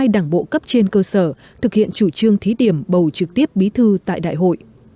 một trăm hai mươi hai đảng bộ cấp trên cơ sở thực hiện chủ trương thí điểm bầu trực tiếp bí thư tại đại hội